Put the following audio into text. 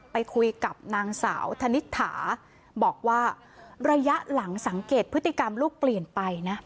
ไปคุยกับนางสาวธนิษฐาบอกว่าระยะหลังสังเกตพฤติกรรมลูกเปลี่ยนไปนะ